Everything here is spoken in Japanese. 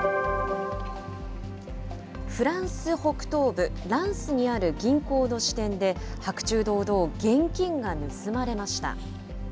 フランス北東部、ランスにある銀行の支店で、白昼堂々、現金が盗まれました。